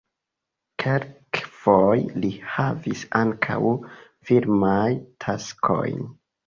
Kelkfoje li havis ankaŭ filmajn taskojn.